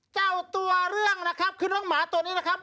ก้าวตัวเรื่องนะครับขึ้นร่างหมาตัวนี้นะครับ